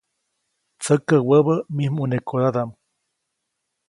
Tsäkä wäbä mij ʼmunekodadaʼm.